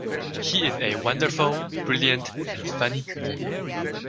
He is a wonderful, brilliant and funny comedian.